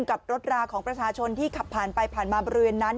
กับรถราของประชาชนที่ขับผ่านไปผ่านมาบริเวณนั้น